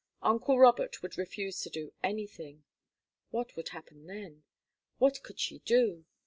Uncle Robert would refuse to do anything. What would happen then? What could she do?